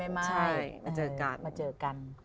มาเจอกัน